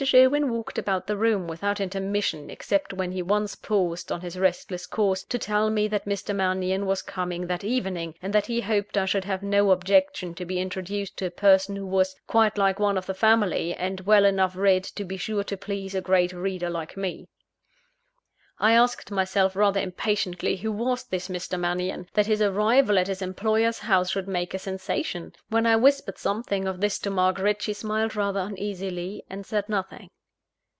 Sherwin walked about the room without intermission, except when he once paused on his restless course, to tell me that Mr. Mannion was coming that evening; and that he hoped I should have no objection to be introduced to a person who was "quite like one of the family, and well enough read to be sure to please a great reader like me." I asked myself rather impatiently, who was this Mr. Mannion, that his arrival at his employer's house should make a sensation? When I whispered something of this to Margaret, she smiled rather uneasily, and said nothing.